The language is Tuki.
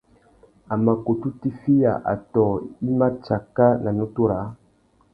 A mà kutu tiffiya atōh i mà tsaka nà nutu râā.